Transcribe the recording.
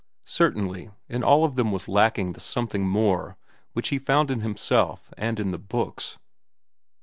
Certainly, in all of them was lacking the something more which he found in himself and in the books.